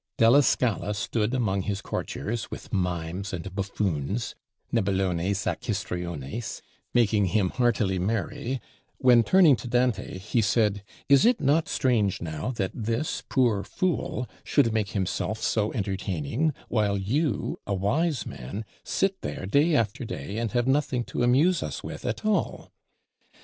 Della Scala stood among his courtiers, with mimes and buffoons (nebulones ac histriones) making him heartily merry; when turning to Dante, he said: "Is it not strange, now, that this poor fool should make himself so entertaining; while you, a wise man, sit there day after day, and have nothing to amuse us with at all?"